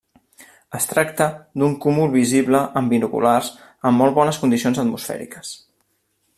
Es tracta d'un cúmul visible amb binoculars amb molt bones condicions atmosfèriques.